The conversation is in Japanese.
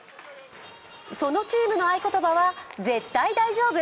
そのチームの合い言葉は絶対大丈夫。